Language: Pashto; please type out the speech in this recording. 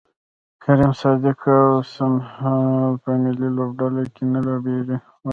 کریم صادق اوسمهال په ملي لوبډله کې نه لوبیږي